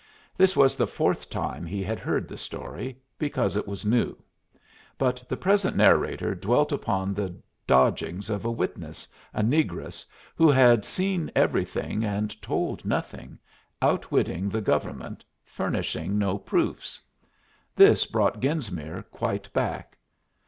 This was the fourth time he had heard the story, because it was new; but the present narrator dwelt upon the dodgings of a witness, a negress, who had seen everything and told nothing, outwitting the government, furnishing no proofs. This brought Genesmere quite back.